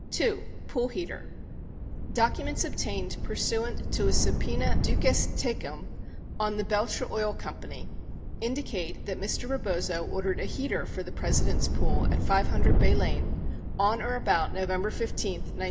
83 2. POOL HEATER Documents obtained pursuant to a subpena duces tecum on the Belcher Oil Co., indicate that Mr. Rebozo ordered a heater for the President's pool at 500 Bay Lane on or about November 15, 1972.